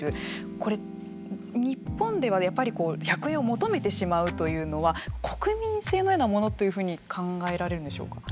これ日本ではやっぱり１００円を求めてしまうというのは国民性のようなものというふうに考えられるんでしょうか。